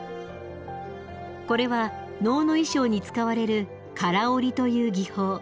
これは能の衣装に使われる唐織りという技法。